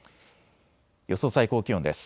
予想最高気温です。